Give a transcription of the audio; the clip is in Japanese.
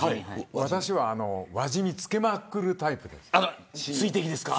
私は輪染みを付けまくるタイプです。